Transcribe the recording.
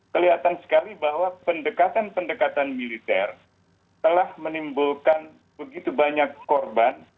kelihatan sekali bahwa pendekatan pendekatan militer telah menimbulkan begitu banyak korban